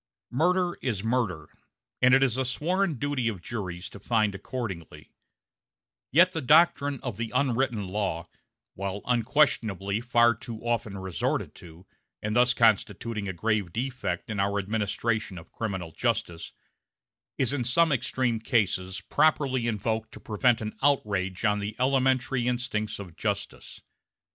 Murder is murder, and it is the sworn duty of juries to find accordingly; yet the doctrine of the "unwritten law" while unquestionably far too often resorted to, and thus constituting a grave defect in our administration of criminal justice is in some extreme cases properly invoked to prevent an outrage on the elementary instincts of justice.